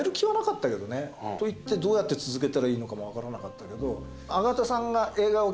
どうやって続けたらいいのかも分からなかったけど。